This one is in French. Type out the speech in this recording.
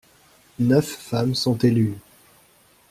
Neuf femmes sont élues.